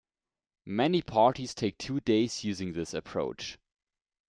Many parties take two days using this approach.